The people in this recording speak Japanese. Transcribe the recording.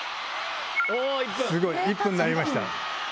すごい１分になりました。